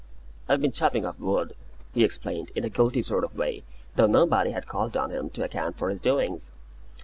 "I've been chopping up wood," he explained, in a guilty sort of way, though nobody had called on him to account for his doings.